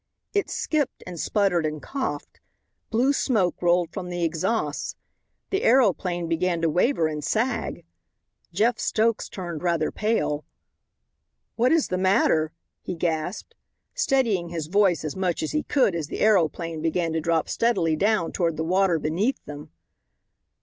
It "skipped" and sputtered and coughed. Blue smoke rolled from the exhausts. The aeroplane began to waver and sag. Jeff Stokes turned rather pale. "What is the matter?" he gasped, steadying his voice as much as he could as the aeroplane began to drop steadily down toward the water beneath them.